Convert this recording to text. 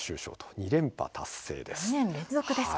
２年連続ですか。